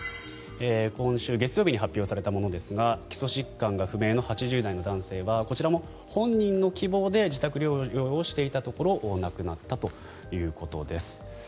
今週月曜日に発表されたものですが基礎疾患が不明の８０代の男性はこちらも本人の希望で自宅療養をしていたところ亡くなったということです。